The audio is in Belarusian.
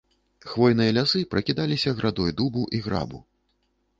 Хвойныя лясы пракідаліся градой дубу і грабу.